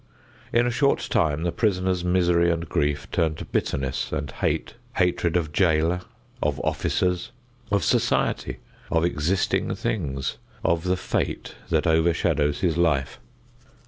In a short time the prisoner's misery and grief turn to bitterness and hate; hatred of jailer, of officers, of society, of existing things, of the fate that overshadows his life.